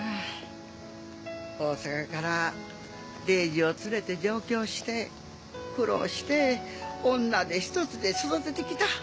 大阪から礼司をつれて上京して苦労して女手ひとつで育ててきた。